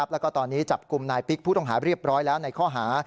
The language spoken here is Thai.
แล้วก็ตอนนี้จับกลุ่มนายปิ๊กผู้ต้องหาเรียบร้อยแล้วในข้อหา